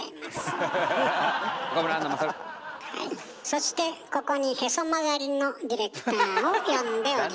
そしてここにへそ曲がりのディレクターを呼んでおります。